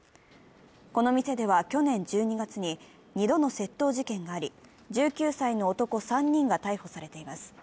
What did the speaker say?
この店では去年１２月に２度の窃盗事件があり１９歳の男３人が逮捕されています。